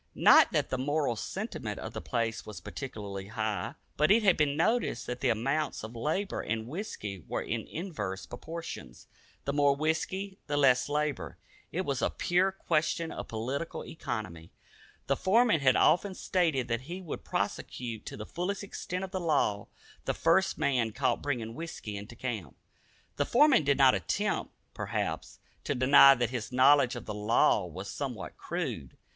Not that the moral sentiment of the place was particularly high, but it had been noticed that the amounts of labor and whisky were in inverse proportion. The more whisky, the less labor. It was a pure question of political economy. The foreman had often stated that he would prosecute to the fullest extent of the law the first man caught bringing whisky into camp. The foreman did not attempt, perhaps, to deny that his knowledge of the law was somewhat crude.